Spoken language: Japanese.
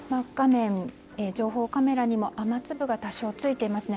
情報カメラにも雨粒が多少ついていますね。